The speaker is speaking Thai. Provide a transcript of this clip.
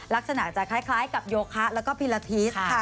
ลักษณะจะคล้ายกับโยคะแล้วก็พิลาธิสค่ะ